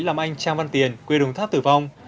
làm anh trang văn tiền quê đồng tháp tử vong